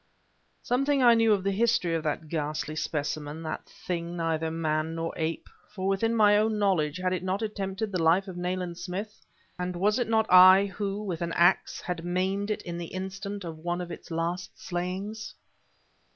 Something I knew of the history of that ghastly specimen, that thing neither man nor ape; for within my own knowledge had it not attempted the life of Nayland Smith, and was it not I who, with an ax, had maimed it in the instant of one of its last slayings?